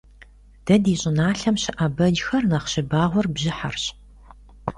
Дэ ди щIыналъэм щыIэ бэджхэр нэхъ щыбагъуэр бжьыхьэрщ.